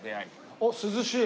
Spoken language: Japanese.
おっ涼しい。